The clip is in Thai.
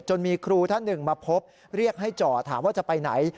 มีครูท่านหนึ่งมาพบเรียกให้จอดถามว่าจะไปไหน